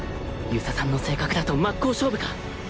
遊佐さんの性格だと真っ向勝負か！？